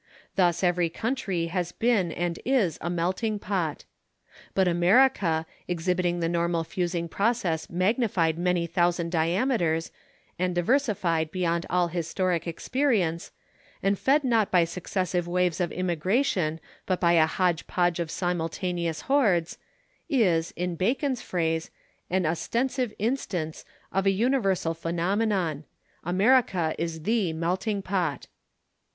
Thus every country has been and is a "Melting Pot." But America, exhibiting the normal fusing process magnified many thousand diameters and diversified beyond all historic experience, and fed not by successive waves of immigration but by a hodge podge of simultaneous hordes, is, in Bacon's phrase, an "ostensive instance" of a universal phenomenon. America is the "Melting Pot."